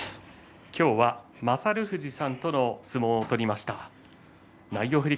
今日は優富士さんと相撲を取りました。